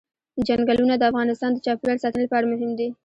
چنګلونه د افغانستان د چاپیریال ساتنې لپاره مهم دي.